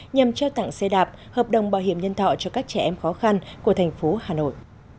nhằm trao tặng xe đạp hợp đồng bảo hiểm nhân thọ cho các trẻ em khó khăn của thành phố hà nội